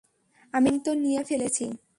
আমি সিদ্ধান্ত নিয়ে ফেলেছি।